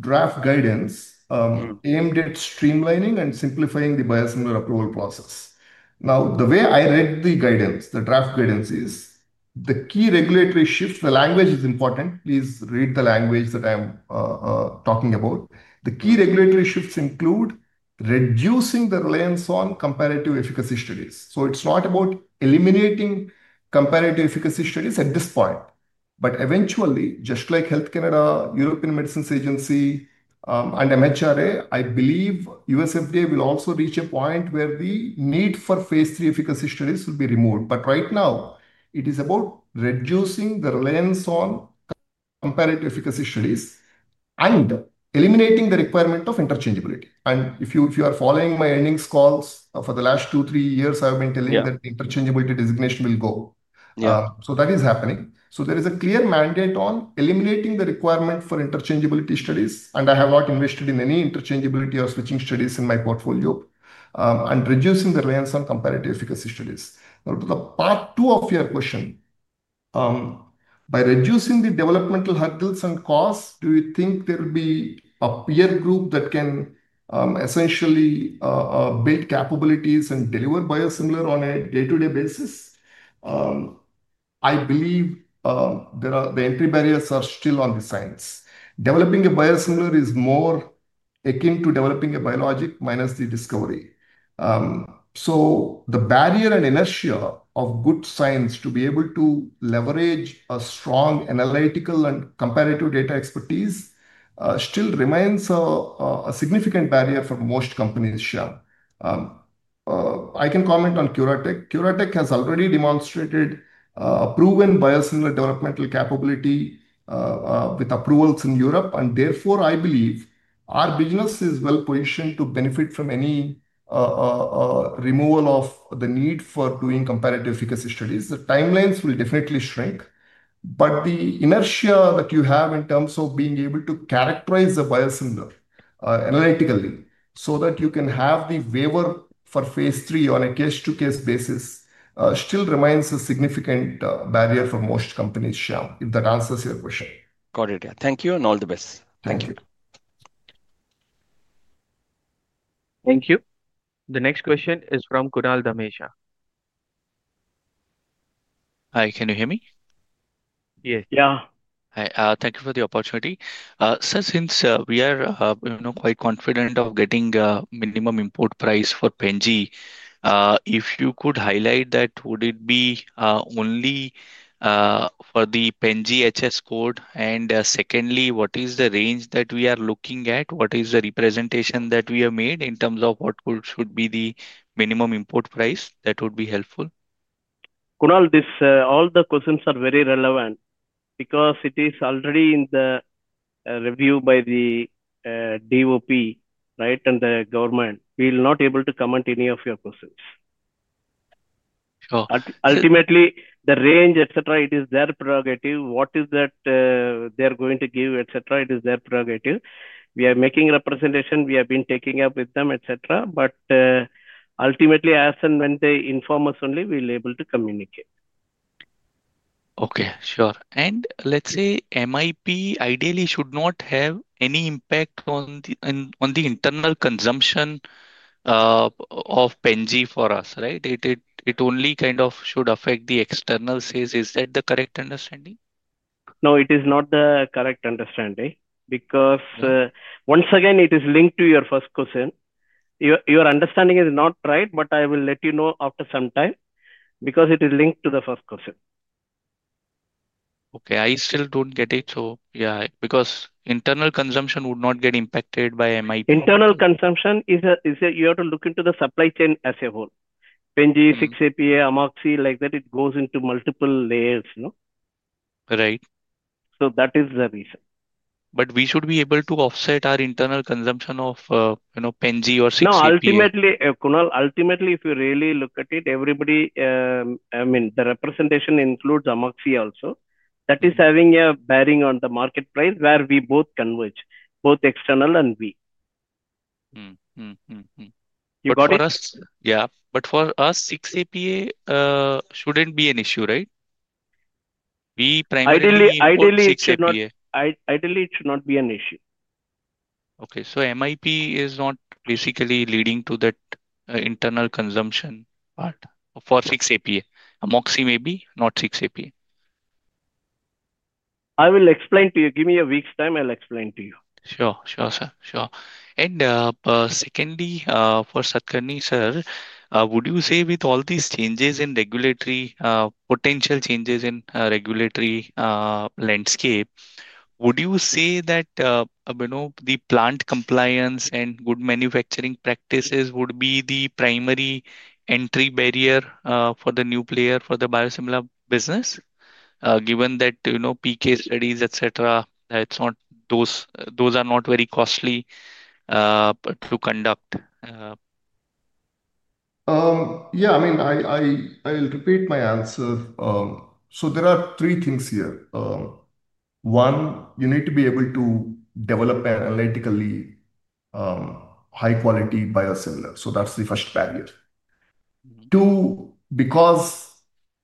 draft guidance aimed at streamlining and simplifying the biosimilar approval process. Now, the way I read the guidance, the draft guidance is the key regulatory shifts. The language is important. Please read the language that I'm talking about. The key regulatory shifts include reducing the reliance on comparative efficacy studies. It is not about eliminating comparative efficacy studies at this point. Eventually, just like Health Canada, European Medicines Agency, and MHRA, I believe U.S. FDA will also reach a point where the need for phase three efficacy studies will be removed. Right now, it is about reducing the reliance on comparative efficacy studies and eliminating the requirement of interchangeability. If you are following my earnings calls for the last two or three years, I have been telling that the interchangeability designation will go. That is happening. There is a clear mandate on eliminating the requirement for interchangeability studies. I have not invested in any interchangeability or switching studies in my portfolio. Reducing the reliance on comparative efficacy studies. Now, to the part two of your question. By reducing the developmental hurdles and costs, do you think there will be a peer group that can essentially build capabilities and deliver biosimilar on a day-to-day basis? I believe the entry barriers are still on the science. Developing a biosimilar is more akin to developing a biologic minus the discovery. The barrier and inertia of good science to be able to leverage a strong analytical and comparative data expertise still remains a significant barrier for most companies, Shyam. I can comment on CuraTeQ. CuraTeQ has already demonstrated proven biosimilar developmental capability with approvals in Europe. Therefore, I believe our business is well-positioned to benefit from any removal of the need for doing comparative efficacy studies. The timelines will definitely shrink. The inertia that you have in terms of being able to characterize the biosimilar analytically so that you can have the waiver for phase three on a case-to-case basis still remains a significant barrier for most companies, Shyam, if that answers your question. Got it. Yeah. Thank you. All the best. Thank you. Thank you. The next question is from [Kunal Ranesia]. Hi. Can you hear me? Yes. Yeah. Thank you for the opportunity. Sir, since we are quite confident of getting a minimum import price for Pen-G, if you could highlight that, would it be only for the Pen-G HS code? Secondly, what is the range that we are looking at? What is the representation that we have made in terms of what should be the minimum import price? That would be helpful. Kunal, all the questions are very relevant because it is already in the review by the DOP, right, and the government. We will not be able to comment on any of your questions. Sure. Ultimately, the range, etc., it is their prerogative. What is that they're going to give, etc., it is their prerogative. We are making representation. We have been taking up with them, etc. Ultimately, as and when they inform us only, we'll be able to communicate. Okay. Sure. Let's say MIP ideally should not have any impact on the internal consumption of Pen-G for us, right? It only kind of should affect the external sales. Is that the correct understanding? No, it is not the correct understanding because once again, it is linked to your first question. Your understanding is not right, but I will let you know after some time because it is linked to the first question. Okay. I still don't get it. So yeah, because internal consumption would not get impacted by MIP. Internal consumption is you have to look into the supply chain as a whole. Pen-G, 6-APA, amoxi, like that, it goes into multiple layers. Right. That is the reason. We should be able to offset our internal consumption of Pen-G or 6-APA. No, ultimately, Kunal, if you really look at it, everybody, I mean, the representation includes amoxi also. That is having a bearing on the market price where we both converge, both external and we. For us, yeah. For us, 6-APA shouldn't be an issue, right? Ideally, it should not be an issue. Okay. MIP is not basically leading to that internal consumption part for 6-APA. Amoxi maybe, not 6-APA. I will explain to you. Give me a week's time. I'll explain to you. Sure. Sure, sir. Sure. Secondly, for Satakarni sir, would you say with all these changes in regulatory, potential changes in regulatory landscape, would you say that the plant compliance and good manufacturing practices would be the primary entry barrier for the new player for the biosimilar business, given that PK studies, etc., those are not very costly to conduct? Yeah. I mean, I'll repeat my answer. There are three things here. One, you need to be able to develop analytically. High-quality biosimilars. That's the first barrier. Two, because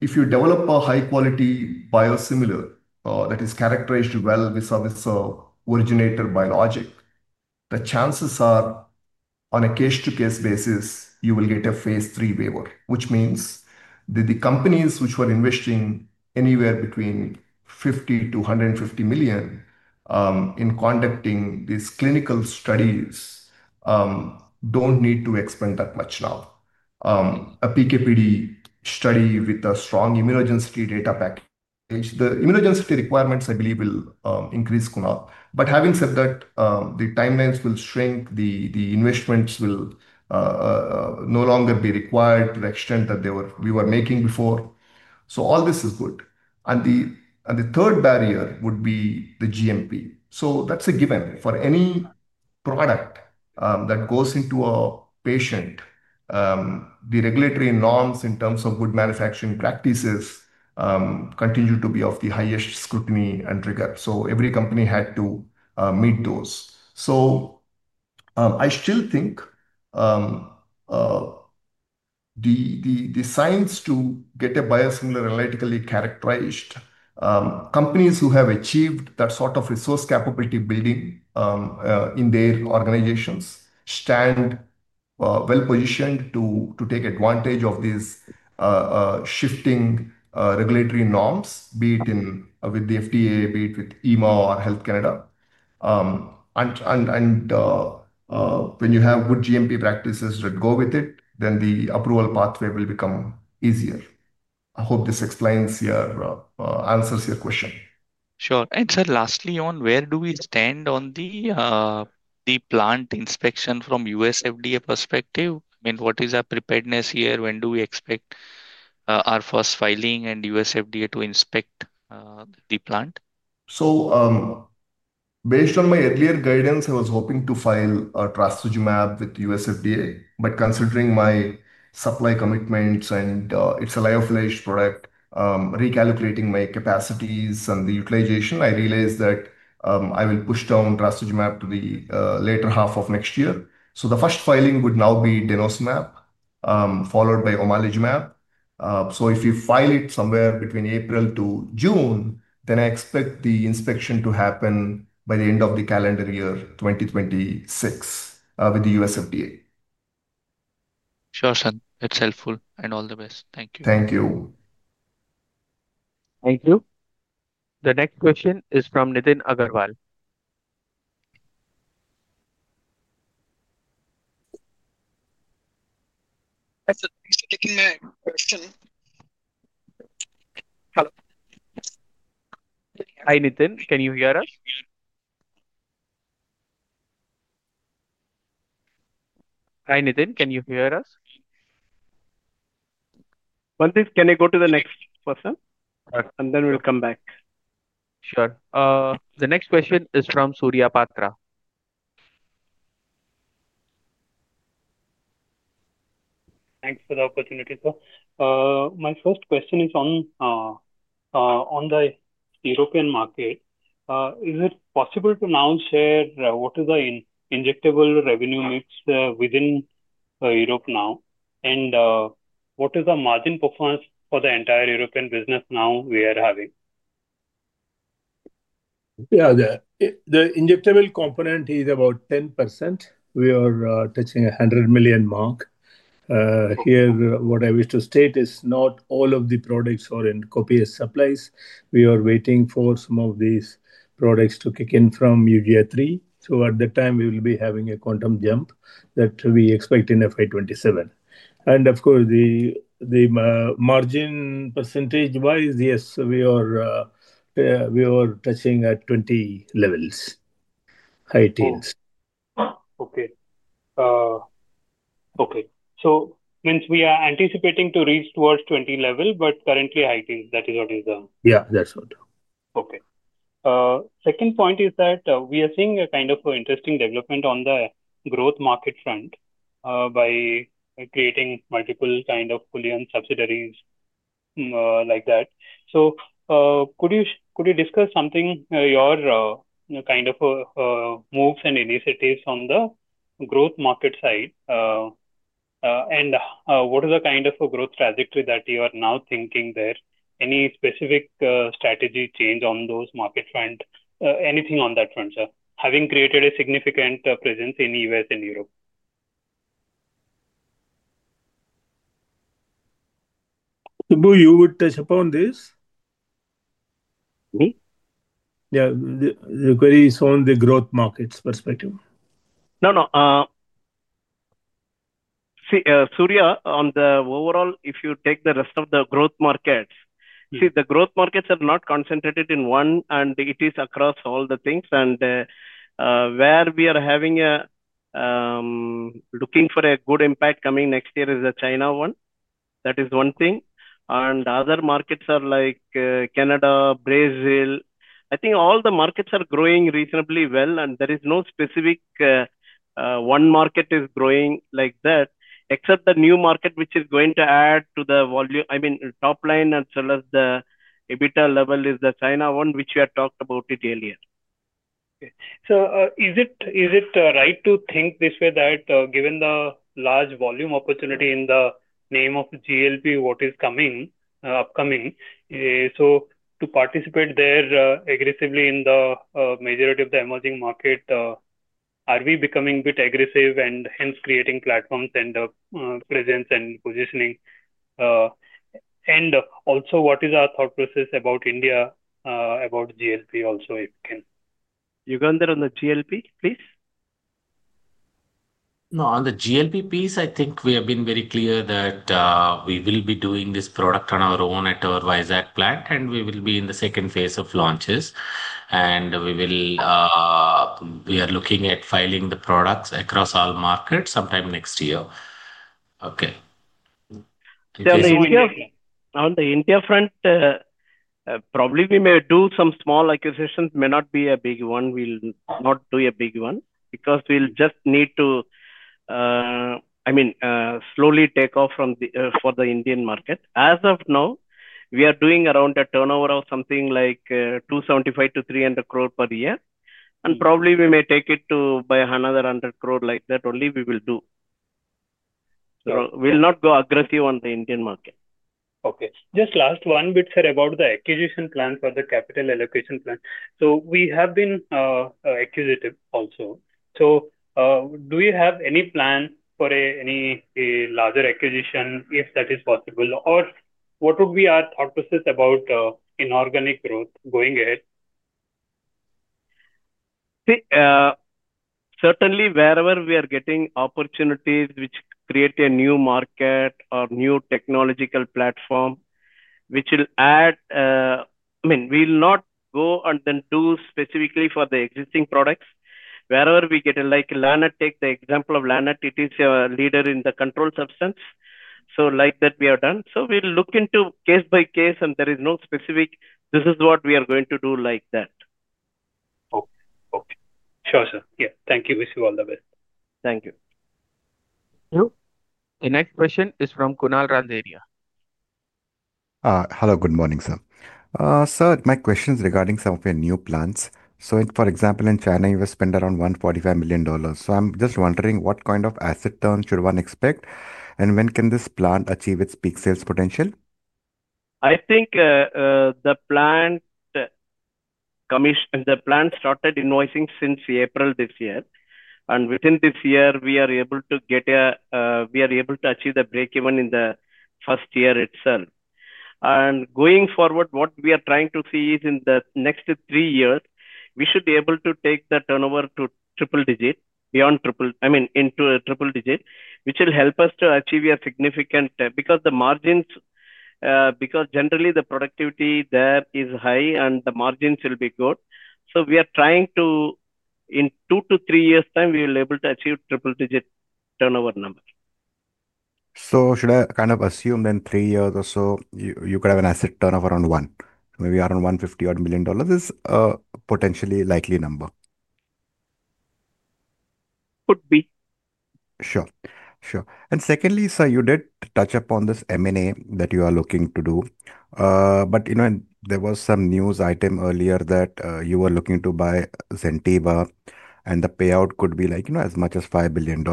if you develop a high-quality biosimilar that is characterized well with a virginator biologic, the chances are, on a case-to-case basis, you will get a phase three waiver, which means the companies which were investing anywhere between $50 million-$150 million in conducting these clinical studies don't need to expand that much now. A PK/PD study with a strong immunogenicity data package. The immunogenicity requirements, I believe, will increase, Kunal. Having said that, the timelines will shrink. The investments will no longer be required to the extent that we were making before. All this is good. The third barrier would be the GMP. That's a given for any product that goes into a patient. The regulatory norms in terms of good manufacturing practices continue to be of the highest scrutiny and rigor. Every company had to meet those. I still think the science to get a biosimilar analytically characterized, companies who have achieved that sort of resource capability building in their organizations stand well-positioned to take advantage of these shifting regulatory norms, be it with the FDA, be it with EMA or Health Canada. When you have good GMP practices that go with it, then the approval pathway will become easier. I hope this explains your answers to your question. Sure. Sir, lastly, where do we stand on the plant inspection from U.S. FDA perspective? I mean, what is our preparedness here? When do we expect our first filing and U.S. FDA to inspect the plant? Based on my earlier guidance, I was hoping to file a trastuzumab with U.S. FDA. But considering my supply commitments and it's a lyophilized product, recalculating my capacities and the utilization, I realized that I will push down trastuzumab to the later half of next year. So the first filing would now be denosumab. Followed by omalizumab. So if you file it somewhere between April to June, then I expect the inspection to happen by the end of the calendar year 2026 with the U.S. FDA. Sure, sir. That is helpful. All the best. Thank you. Thank you. Thank you. The next question is from Nitin Agarwal. Hi, Nitin. Can you hear us? Hi, Nitin. Can you hear us? One thing, can I go to the next person? Then we'll come back. Sure. The next question is from Surya Patra. Thanks for the opportunity. My first question is on the European market. Is it possible to now share what is the injectable revenue mix within Europe now? What is the margin performance for the entire European business now we are having? Yeah. The injectable component is about 10%. We are touching a $100 million mark. Here, what I wish to state is not all of the products are in copious supplies. We are waiting for some of these products to kick in from UGF3. At that time, we will be having a quantum jump that we expect in FY 2027. Of course, the margin percentage-wise, yes, we are touching at 20% levels, high teens. Okay. Okay. So means we are anticipating to reach towards 20% level, but currently, high teens. That is what is the. Yeah, that's what. Okay. Second point is that we are seeing a kind of interesting development on the growth market front. By creating multiple kind of fully-owned subsidiaries like that. Could you discuss something, your kind of moves and initiatives on the growth market side? What is the kind of growth trajectory that you are now thinking there? Any specific strategy change on those market front? Anything on that front, sir? Having created a significant presence in the U.S. and Europe. You would touch upon this? Me? Yeah. The query is on the growth markets perspective. No, no. See, Surya, on the overall, if you take the rest of the growth markets, see, the growth markets are not concentrated in one, and it is across all the things. Where we are having, looking for a good impact coming next year is the China one. That is one thing. Other markets are like Canada, Brazil. I think all the markets are growing reasonably well, and there is no specific one market is growing like that, except the new market, which is going to add to the volume. I mean, top line and sellers, the EBITDA level is the China one, which we had talked about earlier. Okay. Is it right to think this way that given the large volume opportunity in the name of GLP, what is coming, upcoming, to participate there aggressively in the majority of the emerging market. Are we becoming a bit aggressive and hence creating platforms and presence and positioning? What is our thought process about India, about GLP also, if you can? You go on there on the GLP, please. No, on the GLP-1 piece, I think we have been very clear that we will be doing this product on our own at our Vizag plant. We will be in the second phase of launches. We are looking at filing the products across all markets sometime next year. Okay. On the India front. Probably we may do some small acquisitions. It may not be a big one. We'll not do a big one because we'll just need to, I mean, slowly take off for the Indian market. As of now, we are doing around a turnover of something like 275 crore-300 crore per year. And probably we may take it to by another 100 crore, like that only we will do. We'll not go aggressive on the Indian market. Okay. Just last one bit, sir, about the acquisition plan for the capital allocation plan. So we have been acquisitive also. Do you have any plan for any larger acquisition if that is possible? What would be our thought process about inorganic growth going ahead? Certainly, wherever we are getting opportunities which create a new market or new technological platform which will add. I mean, we'll not go and then do specifically for the existing products. Wherever we get like Lannett, take the example of Lannett. It is a leader in the control substance. Like that, we have done. We'll look into case by case, and there is no specific, this is what we are going to do like that. Okay. Okay. Sure, sir. Yeah. Thank you. Wish you all the best. Thank you. Thank you. The next question is from Kunal Randheria. Hello. Good morning, sir. Sir, my question is regarding some of your new plants. For example, in China, you have spent around $145 million. I am just wondering what kind of asset turn should one expect? When can this plant achieve its peak sales potential? I think the plant started invoicing since April this year. Within this year, we are able to get a, we are able to achieve a break even in the first year itself. Going forward, what we are trying to see is in the next three years, we should be able to take the turnover to triple digit, beyond triple, I mean, into a triple digit, which will help us to achieve a significant, because the margins, because generally the productivity there is high and the margins will be good. We are trying to, in two to three years' time, we will be able to achieve triple digit turnover number. Should I kind of assume then three years or so, you could have an asset turnover around one? Maybe around $150 million is a potentially likely number. Could be. Sure. Sure. Secondly, sir, you did touch upon this M&A that you are looking to do. There was some news item earlier that you were looking to buy Zentiva, and the payout could be as much as $5 billion.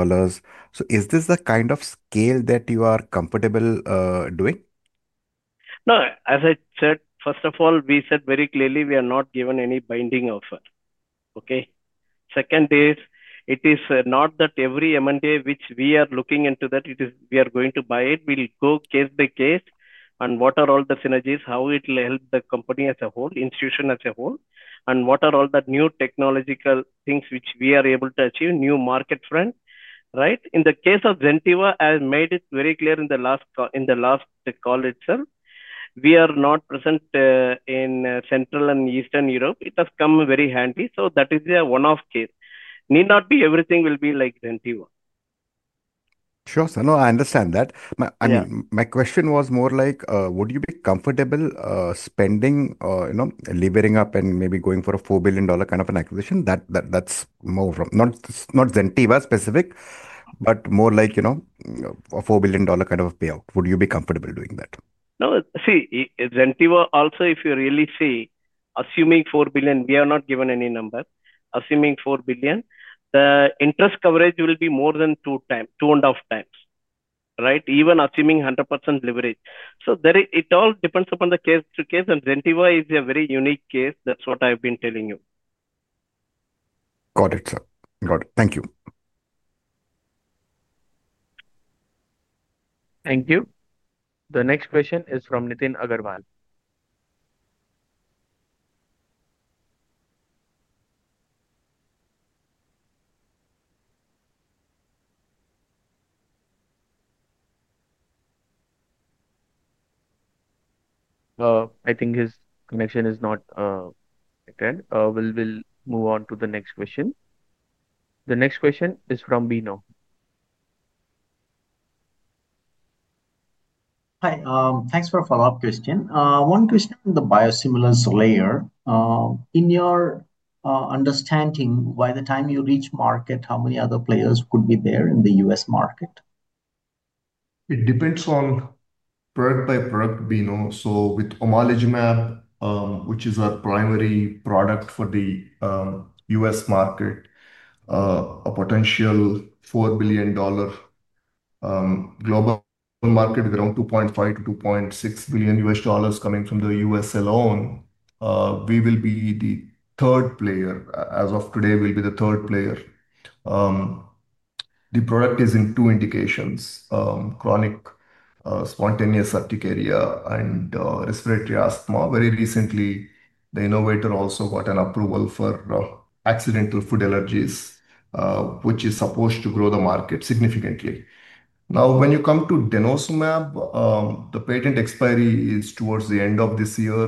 Is this the kind of scale that you are comfortable doing? No. As I said, first of all, we said very clearly we are not given any binding offer. Okay? Second is, it is not that every M&A which we are looking into that, we are going to buy it. We'll go case by case on what are all the synergies, how it will help the company as a whole, institution as a whole, and what are all the new technological things which we are able to achieve, new market front, right? In the case of Zentiva, I made it very clear in the last call itself. We are not present in Central and Eastern Europe. It has come very handy. That is a one-off case. Need not be everything will be like Zentiva. Sure, sir. No, I understand that. I mean, my question was more like, would you be comfortable spending, levering up and maybe going for a $4 billion kind of an acquisition? That's more from not Zentiva specific, but more like a $4 billion kind of a payout. Would you be comfortable doing that? No. See, Zentiva also, if you really see, assuming 4 billion, we are not given any number, assuming 4 billion, the interest coverage will be more than two times, two and a half times, right? Even assuming 100% leverage. It all depends upon the case to case. Zentiva is a very unique case. That's what I've been telling you. Got it, sir. Got it. Thank you. Thank you. The next question is from Nitin Agarwal. I think his connection is not there. We'll move on to the next question. The next question is from Bino. Hi. Thanks for a follow-up question. One question on the biosimilars layer. In your understanding, by the time you reach market, how many other players could be there in the U.S. market? It depends on product by product, Bino. So with omalizumab, which is a primary product for the U.S. market, a potential $4 billion global market, around $2.5 billion-$2.6 billion coming from the U.S. alone. We will be the third player. As of today, we'll be the third player. The product is in two indications: chronic spontaneous urticaria and respiratory asthma. Very recently, the innovator also got an approval for accidental food allergies, which is supposed to grow the market significantly. Now, when you come to denosumab, the patent expiry is towards the end of this year.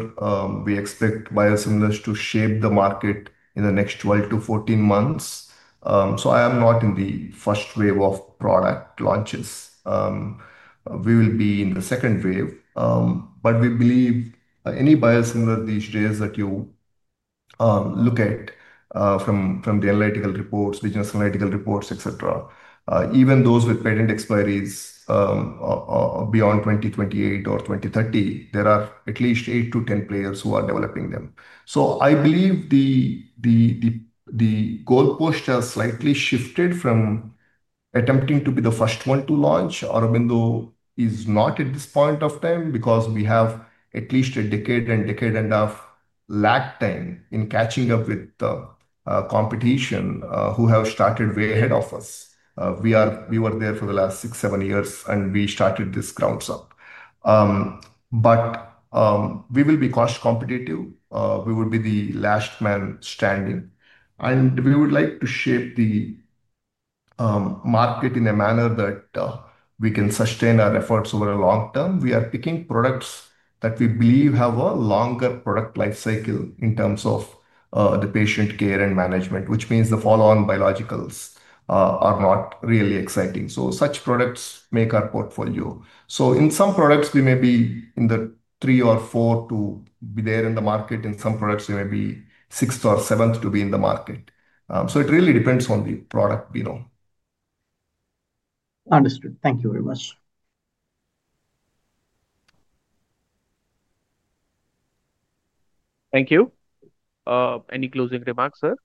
We expect biosimilars to shape the market in the next 12-14 months. I am not in the first wave of product launches. We will be in the second wave. But we believe any biosimilar these days that you. Look at from the analytical reports, business analytical reports, etc., even those with patent expiries. Beyond 2028 or 2030, there are at least 8-10 players who are developing them. I believe the goal post has slightly shifted from attempting to be the first one to launch. Aurobindo is not at this point of time because we have at least a decade and decade and a half lag time in catching up with the competition who have started way ahead of us. We were there for the last six, seven years, and we started this grounds up. We will be cost competitive. We will be the last man standing. We would like to shape the market in a manner that we can sustain our efforts over a long term. We are picking products that we believe have a longer product life cycle in terms of the patient care and management, which means the follow-on biologicals are not really exciting. Such products make our portfolio. In some products, we may be the third or fourth to be there in the market. In some products, we may be sixth or seventh to be in the market. It really depends on the product, Bino. Understood. Thank you very much. Thank you. Any closing remarks, sir?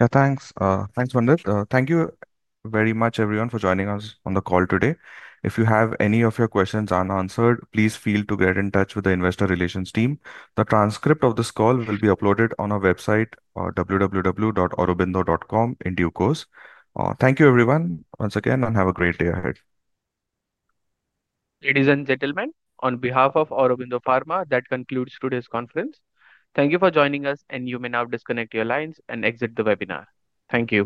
Yeah. Thanks. Thanks, Vandir. Thank you very much, everyone, for joining us on the call today. If you have any of your questions unanswered, please feel free to get in touch with the investor relations team. The transcript of this call will be uploaded on our website, www.aurobindo.com, in due course. Thank you, everyone, once again, and have a great day ahead. Ladies and gentlemen, on behalf of Aurobindo Pharma, that concludes today's conference. Thank you for joining us, and you may now disconnect your lines and exit the webinar. Thank you.